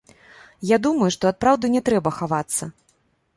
Я думаю, што ад праўды не трэба хавацца.